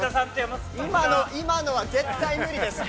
◆今のは絶対無理です！